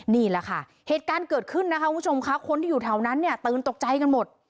นี่แหละค่ะเหตุการณ์เกิดขึ้นนะคะคุณผู้ชมค่ะคนที่อยู่แถวนั้นเนี่ยตื่นตกใจกันหมด